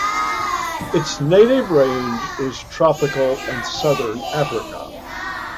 Its native range is tropical and southern Africa.